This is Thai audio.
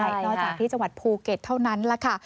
นอกจากที่จังหวัดภูเก็ตเท่านั้นแหละค่ะ